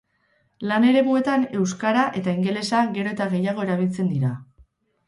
Lan-eremuetan euskara eta ingelesa gero eta gehiago erabiltzen dira